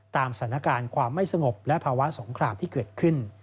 ตามสถานการณ์ความไม่สงบและภาวะสงครามที่เกิดขึ้น